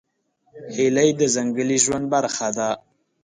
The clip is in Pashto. هیلۍ د ځنګلي ژوند برخه ده